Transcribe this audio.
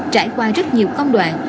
trải qua rất nhiều công đoạn